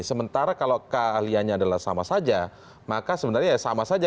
sementara kalau keahliannya adalah sama saja maka sebenarnya ya sama saja